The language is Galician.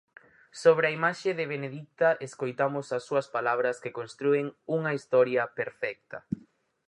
Sobre a imaxe de Benedicta escoitamos as súas palabras que constrúen unha historia perfecta.